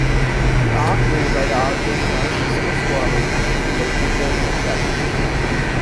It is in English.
The archway by the artist Francisco Suarez was preserved in the chapel.